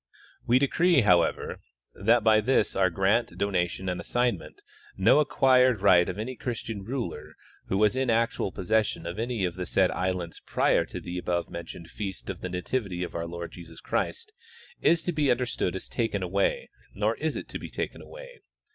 We decree, however, that by this our grant, donation and assignment no acquired right of any Christian ruler who was in actuah possession of any of the said islands prior to the above mentioned feast of the nativity of our Lord Jesus Christ is to be understood as taken away, nor is it to be taken away.